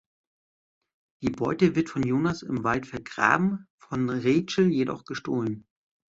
Die Beute wird von Jonas im Wald vergraben, von Rachel jedoch gestohlen.